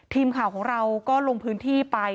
ทีมข่าวของเราก็ลงพื้นที่ไป